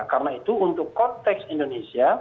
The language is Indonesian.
karena itu untuk konteks indonesia